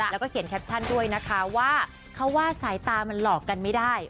แล้วก็เขียนแคปชั่นด้วยนะคะว่าเขาว่าสายตามันหลอกกันไม่ได้